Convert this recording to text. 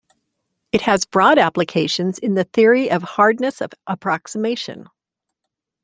It has broad applications in the theory of hardness of approximation.